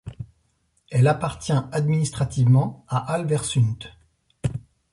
Elle appartient administrativement à Alversund.